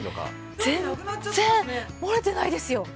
全然漏れてないですよ。